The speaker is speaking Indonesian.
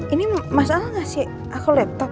ini mas al ngasih aku laptop